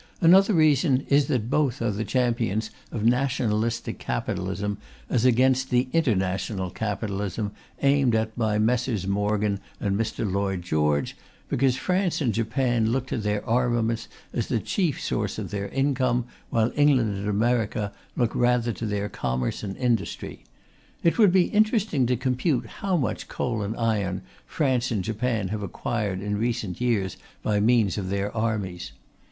Another reason is that both are the champions of nationalistic capitalism, as against the international capitalism aimed at by Messrs. Morgan and Mr. Lloyd George, because France and Japan look to their armaments as the chief source of their income, while England and America look rather to their commerce and industry. It would be interesting to compute how much coal and iron France and Japan have acquired in recent years by means of their armies.